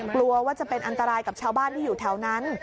กลัวว่าจะเป็นอันตรายกับชาวบ้านที่อยู่แถวนั้น